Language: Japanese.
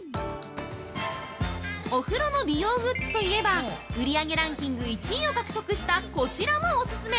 お風呂の美容グッズといえば売上ランキング１位を獲得したこちらもおすすめ！